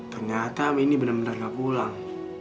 ternyata ami ini bener bener gak pulang